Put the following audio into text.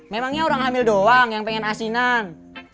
memangnya orang hamil doang yang pengen asinan